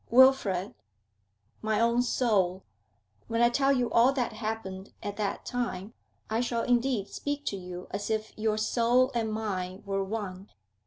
Wilfrid ' 'My own soul!' 'When I tell you all that happened at that time, I shall indeed speak to you as if your soul and mine were one.